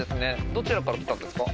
どちらから来たんですか？